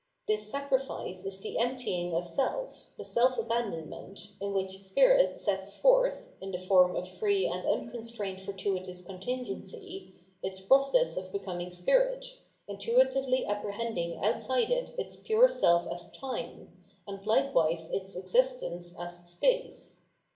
This sacrifice is the emptying of self, the self abandonment, in which Spirit sets forth, in the form of free and unconstrained fortuitous con tingency, its process of becoming Spirit, intuitively apprehending outside it its pure self as Time, and like wise its existence as Space.